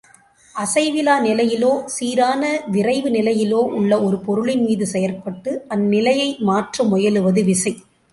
அசைவிலா நிலையிலோ சீரான விரைவு நிலையிலோ உள்ள ஒரு பொருளின் மீது செயற்பட்டு, அந்நிலையை மாற்ற முயலுவது விசை.